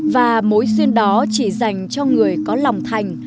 và mối xuyên đó chỉ dành cho người có lòng thành